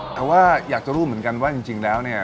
แต่ว่าอยากจะรู้เหมือนกันว่าจริงแล้วเนี่ย